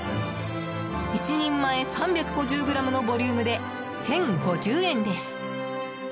１人前３５０ｇのボリュームで１０５０円です。